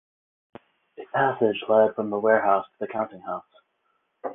A passage led from the warehouse to the counting house.